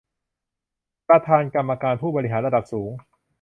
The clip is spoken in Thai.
ประธานกรรมการผู้บริหารระดับสูง